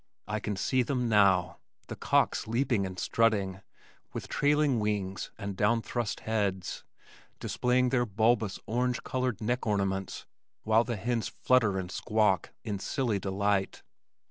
I can see them now, the cocks leaping and strutting, with trailing wings and down thrust heads, displaying their bulbous orange colored neck ornaments while the hens flutter and squawk in silly delight.